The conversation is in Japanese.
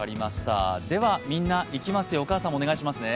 では、みんな行きますよ、お母さんもお願いしますね。